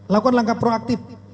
lakukan langkah proaktif